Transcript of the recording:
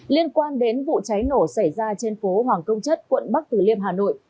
liên quan đến vụ cháy nổ xảy ra trên phố hoàng công chất quận bắc từ liêm hà nội